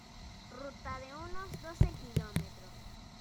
Ruta de unos doce kilómetros.